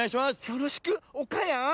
よろしくおかやん。